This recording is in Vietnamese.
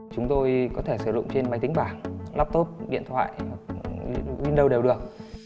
chúng tôi có thể sử dụng trên máy tính vàng laptop điện thoại windows đều được